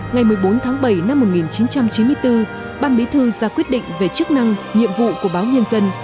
ngày một mươi bốn tháng bảy năm một nghìn chín trăm chín mươi bốn ban bí thư ra quyết định về chức năng nhiệm vụ của báo nhân dân